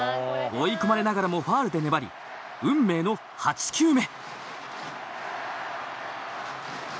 追い込まれながらもファウルで粘り運命の８球目。